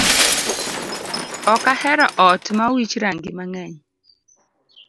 Ok ahero ot ma owich rangi mangeny